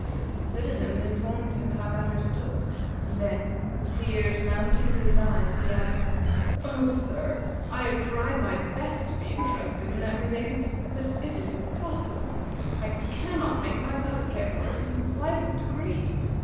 The citizen informed him how matters stood, and then, with tears mounting to his eyes, he added: "Oh, sir, I have tried my best to be interested in that museum; but it is impossible; I cannot make myself care for it in the slightest degree!